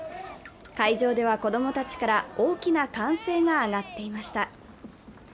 会場では子供たちから大きな歓声が上がっていました。